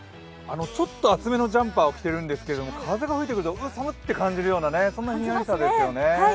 ちょっと厚めのジャンパーを着てるんですけど風が吹いてくると、寒って感じるような寒さですね。